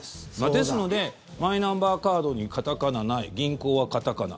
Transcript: ですので、マイナンバーカードに片仮名はない銀行は片仮名。